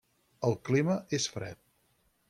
El clima és fred.